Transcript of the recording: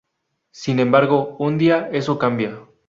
Sin embargo, un día eso cambia.